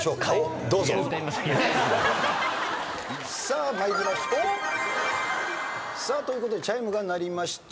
さあということでチャイムが鳴りました。